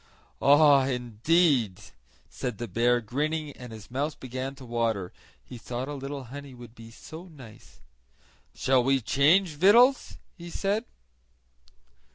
"Ah, indeed," said the bear, grinning, and his mouth began to water, he thought a little honey would be so nice. "Shall we change victuals?" he said.